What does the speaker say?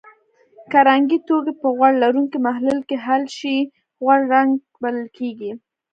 که رنګي توکي په غوړ لرونکي محلل کې حل شي غوړ رنګ بلل کیږي.